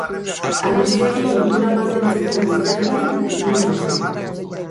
Albisteekin lotura mantentzen duen zerbait egin nahi nuke.